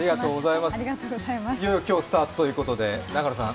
いよいよ今日スタートということで、永野さん